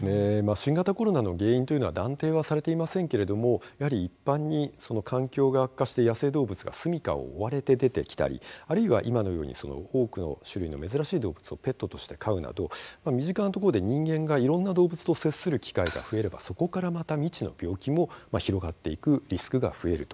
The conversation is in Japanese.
新型コロナの原因というのは断定はされていませんけれどもやはり一般にその環境が悪化して、野生動物が住みかを追われて出てきたりあるいは、今のように多くの種類の珍しい動物をペットとして飼うなど身近なところで人間が、いろんな動物と接する機会が増えればそこから、また未知の病気も広がっていくリスクが増えると。